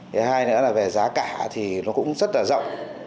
thứ hai nữa là về giá cả thì nó cũng rất là rộng